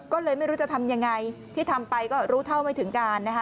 ก็เลยไม่รู้จะทำยังไงที่ทำไปก็รู้เท่าไม่ถึงการนะคะ